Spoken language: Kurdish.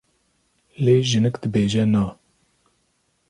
lê jinik dibêje Na!